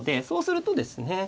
そうするとですね。